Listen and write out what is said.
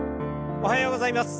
おはようございます。